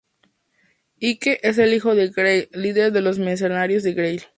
Ike es el hijo de Greil, líder de los "mercenarios de Greil".